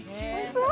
うわ！